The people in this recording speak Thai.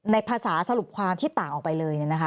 ภาษาสรุปความที่ต่างออกไปเลย